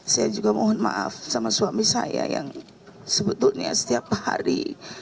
saya juga mohon maaf sama suami saya yang sebetulnya setiap hari